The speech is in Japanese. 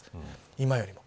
今よりも。